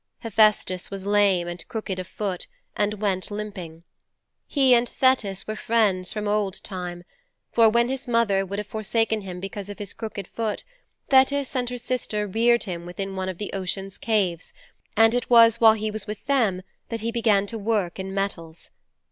'Hephaistos was lame and crooked of foot and went limping. He and Thetis were friends from of old time, for, when his mother would have forsaken him because of his crooked foot, Thetis and her sister reared him within one of the Ocean's caves and it was while he was with them that he began to work in metals.